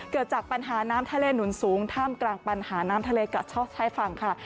เกิดจากปัญหาน้ำทะเลหนุนสูงท่ามกลางปัญหาน้ำทะเลกัดชอบชายฝั่งค่ะ